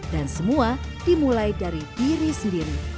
dan semua dimulai dari diri sendiri